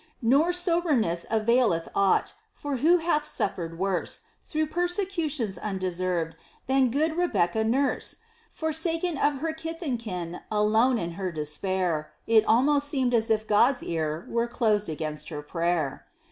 "Nor soberness availeth aught; for who hath suffered worse, Through persecutions undeserved, than good Rebecca Nurse? Forsaken of her kith and kin, alone in her despair, It almost seemed as if God's ear were closed against her prayer.